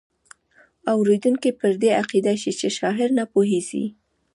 اوریدونکی پر دې عقیده شي چې شاعر نه پوهیږي.